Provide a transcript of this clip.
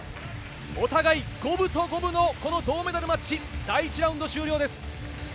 お互い五分と五分の銅メダルマッチ第１ラウンド終了です。